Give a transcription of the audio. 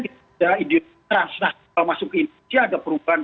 kalau masuk ke indonesia ada perubahan